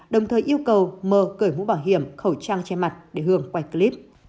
đồng thời yêu cầu mờ cởi mũ bảo hiểm khẩu trang che mặt để hường quay clip